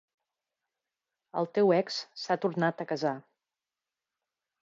El teu ex s'ha tornat a casar.